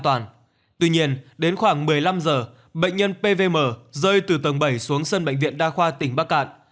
tuy nhiên đến khoảng một mươi năm giờ bệnh nhân pvm rơi từ tầng bảy xuống sân bệnh viện đa khoa tỉnh bắc cạn